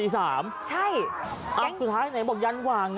กำลังอาจจะมีกุมบ้าง